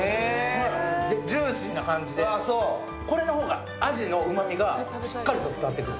で、ジューシーな感じでこれのほうがアジのうまみがしっかりと伝わってくる！